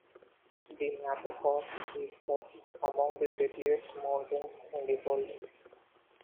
The Matterhorn is thus amongst the deadliest mountains in the world.